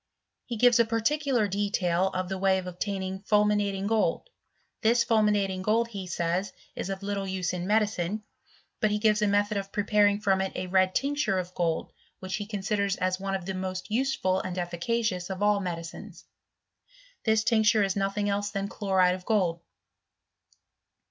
He gives a particular detail of the way of obtaining fulminating gold. This fulminating gold he says is of little use in medicine ; but he give* a method of preparing from it a red tincture of gold, which he considers as one of the most useful and effi"* cacious of all medicines : this tincture is nothing els& than chloride of gold.